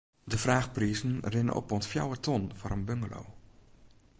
De fraachprizen rinne op oant de fjouwer ton foar in bungalow.